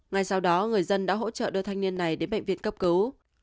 ngay sau đó người dân đã hỗ trợ đưa thanh niên này đến bệnh viện cấp cứu